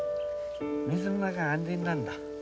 水の中が安全なんだ。